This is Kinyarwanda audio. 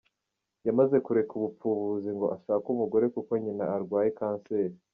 Yamaze kureka ubupfubuzi ngo ashake umugore kuko nyina arwaye cancer .